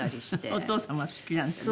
お父様は好きなのね？